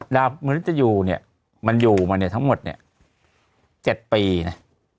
มนุษยูเนี่ยมันอยู่มาเนี่ยทั้งหมดเนี่ย๗ปีนะ